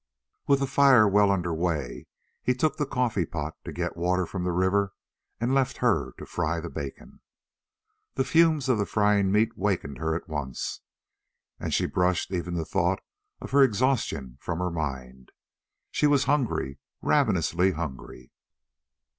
With the fire well under way, he took the coffeepot to get water from the river, and left her to fry the bacon. The fumes of the frying meat wakened her at once, and brushed even the thought of her exhaustion from her mind. She was hungry ravenously hungry.